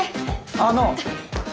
あの。